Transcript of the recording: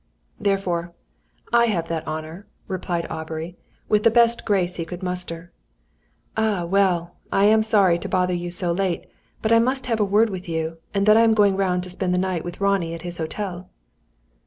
Therefore: "I have that honour," replied Aubrey, with the best grace he could muster. "Ah! Well, I'm sorry to bother you so late, but I must have a word with you; and then I am going round to spend the night with Ronnie at his hotel."